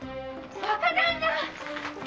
・若旦那！